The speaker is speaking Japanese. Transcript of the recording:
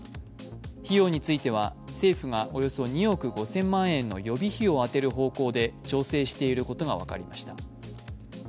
費用については政府がおよそ２億５０００万円の予備費を充てる方向で調整していることが分かりました。